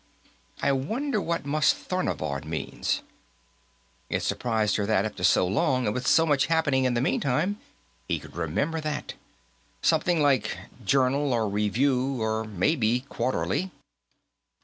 I wonder what Mastharnorvod means." It surprised her that, after so long and with so much happening in the meantime, he could remember that. "Something like 'Journal,' or 'Review,' or maybe 'Quarterly.'"